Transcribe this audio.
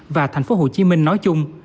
và thành phố hồ chí minh nói chung